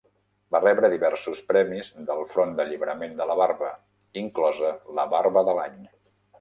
Va rebre diversos premis del front d'alliberament de la barba, inclosa la "Barba de l'any".